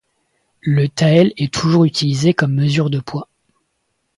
Le tael est toujours utilisé comme mesure de poids.